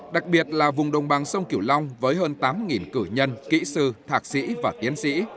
đặc biệt là vùng đồng bằng sông kiểu long với hơn tám cử nhân kỹ sư thạc sĩ và tiến sĩ